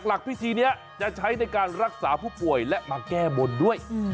หลักพิธีนี้จะใช้ในการรักษาผู้ป่วยและมาแก้บนด้วย